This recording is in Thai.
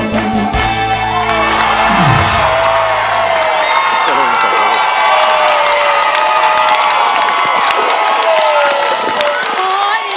ได้